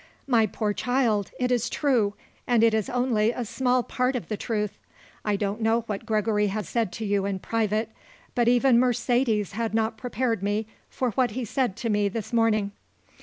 "My poor child it is true, and it is only a small part of the truth. I don't know what Gregory has said to you in private, but even Mercedes had not prepared me for what he said to me this morning."